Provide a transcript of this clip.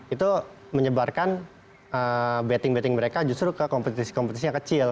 itu menyebarkan betting betting mereka justru ke kompetisi kompetisi yang kecil